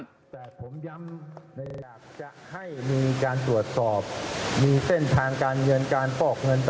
แต่ผมย้ำจะให้มีการสวดสอบมีเส้นทางการเงินการปลอกเงิน